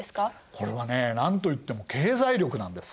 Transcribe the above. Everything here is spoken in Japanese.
これはね何と言っても経済力なんです。